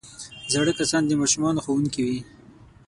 زاړه کسان د ماشومانو ښوونکي وي